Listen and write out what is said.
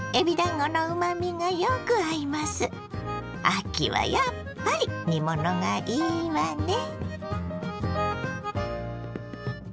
秋はやっぱり煮物がいいわね。